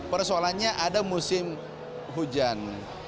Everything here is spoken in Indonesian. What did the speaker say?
persoalannya ada musim hujan